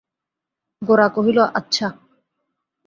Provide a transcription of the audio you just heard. গোরা কহিল, আচ্ছা।